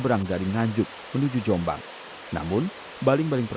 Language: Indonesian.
untuk kejadian tadi malam